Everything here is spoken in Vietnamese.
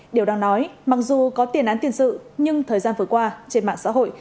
điều đang nói mặc dù có tiền án tiền sự nhưng thời gian vừa qua trên mạng xã hội